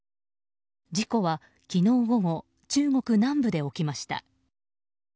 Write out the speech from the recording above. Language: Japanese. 事故は昨日午後中国南部で起きました。